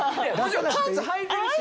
パンツはいてるし。